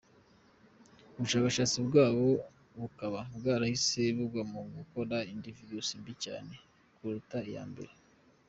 Ubushakashatsi bwabo bukaba bwarahise bugwa ku gukora indi virusi mbi cyane kuruta iya mbere.